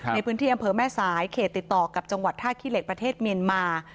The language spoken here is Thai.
ในพื้นที่อำเภอแม่สายเขตติดต่อกับจังหวัดท่าขี้เหล็กประเทศเมียนมา